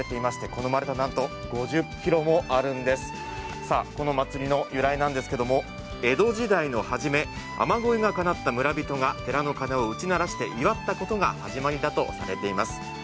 この祭りの由来なんですけれども江戸時代の初め雨乞いがかなった村人が寺の鐘を打ち鳴らして祝ったことが始まりだとされています。